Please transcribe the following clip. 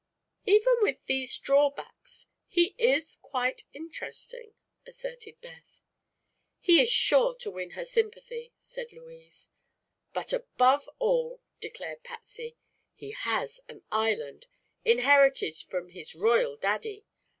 "Even with these drawbacks he is quite interesting," asserted Beth. "He is sure to win her sympathy," said Louise. "But, above all," declared Patsy, "he has an island, inherited from his royal daddy.